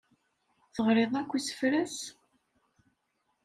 Teɣriḍ akk isefra-s?